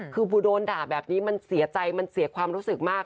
คือบูโดนด่าแบบนี้มันเสียใจมันเสียความรู้สึกมาก